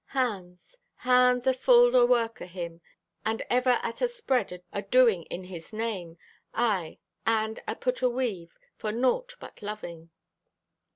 Hands. Hands afulled o' work o' Him; Aye, and ever at a spread o' doing in His name. Aye, and at put o' weave For naught but loving.